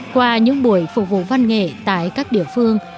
qua những buổi phục vụ văn nghệ tại các địa phương